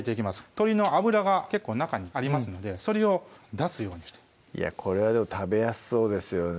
鶏の脂が結構中にありますのでそれを出すようにしていやこれはでも食べやすそうですよね